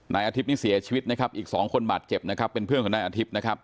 นายอธิบย์สีชาติชีวิตอีกสองคนหมาดเจ็บเป็นเพื่อนของนักอธิบย์